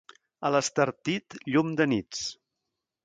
A l'Estartit, llum de nits.